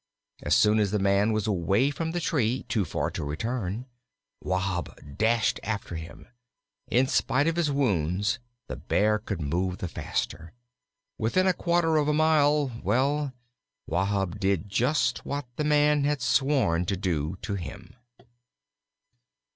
As soon as the man was away from the tree, too far to return, Wahb dashed after him. In spite of his wounds the Bear could move the faster. Within a quarter of a mile well, Wahb did just what the man had sworn to do to him.